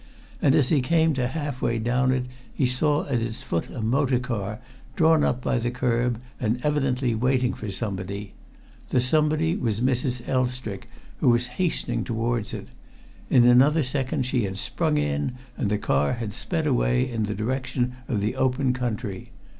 And as he came to half way down it, he saw at its foot a motor car, drawn up by the curb and evidently waiting for somebody. The somebody was Mrs. Elstrick, who was hastening towards it. In another second she had sprung in, and the car had sped away in the direction of the open country.